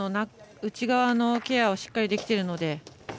内側のケアをしっかりできているので。